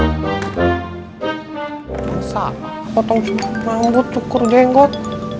masa potong rambut cukur jenggot